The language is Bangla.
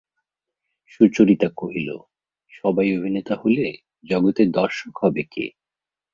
সুচরিতা কহিল, সবাই অভিনেতা হলে জগতে দর্শক হবে কে?